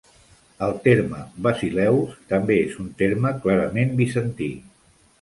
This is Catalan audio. El terme "basileus" també és un terme clarament bizantí.